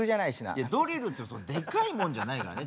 いやドリルっつってもでかいもんじゃないからね。